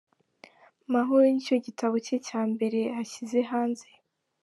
Mahoro ni cyo gitabo cye cya mbere ashyize hanze.